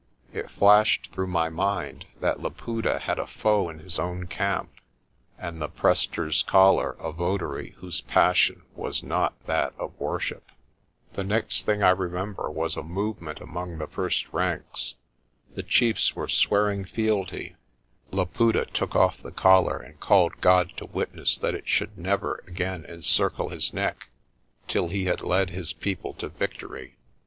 It flashed through my mind that Laputa had a foe in his own camp, and the Prester's collar a votary whose passion was not that of worship. I STAGGERED CRAZILY TO MY FEET AND SHAMBLED FORWARD. THE CAVE OF THE ROOIRAND 143 The next thing I remember was a movement among the first ranks. The chiefs were swearing fealty. Laputa took off the collar and called God to witness that it should never again encircle his neck till he had led his people to victory.